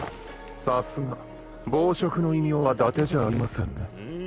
さすが暴食の異名はだてじゃありませんね